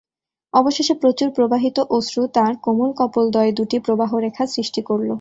অবশেষে প্রচুর প্রবাহিত অশ্রু তাঁর কোমল কপোলদ্বয়ে দুটি প্রবাহ-রেখা সৃষ্টি করল।